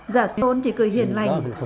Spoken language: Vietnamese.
già sôn chỉ cười hiền lành